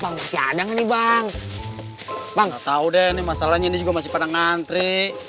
bangsa adanya nih bang bang tahu deh ini masalahnya juga masih pada ngantri